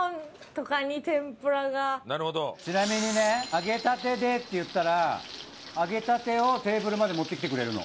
ちなみにね「揚げたてで」って言ったら揚げたてをテーブルまで持ってきてくれるの。